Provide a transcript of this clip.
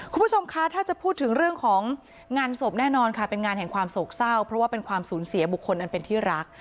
คุณผู้ชมคะถ้าจะพูดถึงเรื่องของงานศพแน่นอนค่ะเป็นงานแห่งความโศกเศร้าเพราะว่าเป็นความสูญเสียบุคคลอันเป็นที่รัก